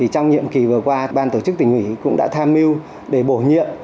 trong nhiệm kỳ vừa qua ban tổ chức tỉnh ủy cũng đã tham mưu để bổ nhiệm